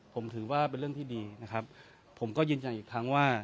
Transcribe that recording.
ผมถือว่าเป็นเรื่องที่ดีนะครับผมก็ยืนยันอีกครั้งว่า